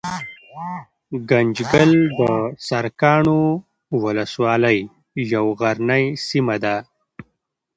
ګنجګل دسرکاڼو ولسوالۍ يو غرنۍ سيمه ده